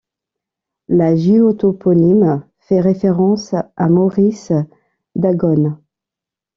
L'hagiotoponyme fait référence à Maurice d'Agaune.